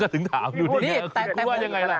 ก็ถึงถามดูดิครับคุณคิดว่ายังไงละ